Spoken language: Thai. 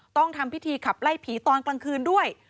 ต้องทำพิธีขับไล่ผีตอนกลางคืนด้วย